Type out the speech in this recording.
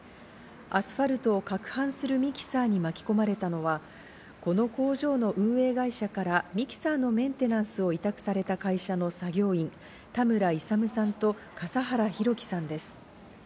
アスファルトをかく拌するミキサーに巻き込まれたのはこの工場の運営会社からミキサーのメンテナンスを委託された会社の作業員、田村勇さんと笠原光貴さんです。